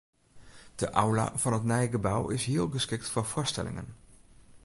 De aula fan it nije gebou is hiel geskikt foar foarstellingen.